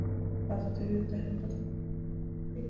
ازادي راډیو د حیوان ساتنه لپاره عامه پوهاوي لوړ کړی.